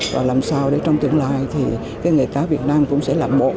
và làm sao để trong tương lai thì nghề cáo việt nam cũng sẽ là một